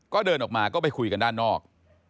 ก็เดินออกมาก็ไปคุยกันด้านนอก